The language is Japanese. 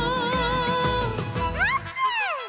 あーぷん！